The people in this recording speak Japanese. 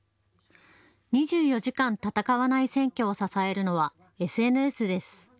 ２４時間戦わない選挙を支えるのはＳＮＳです。